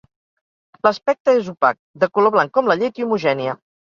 L'aspecte és opac, de color blanc com la llet, i homogènia.